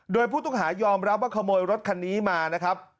โดยผู้ต้องหายอมรับว่าขโมยรถคันนี้มานะครับ